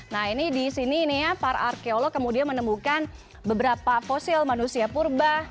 nah ini di sini ini ya para arkeolog kemudian menemukan beberapa fosil manusia purba